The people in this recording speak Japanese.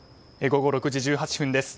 午後６時１８分です。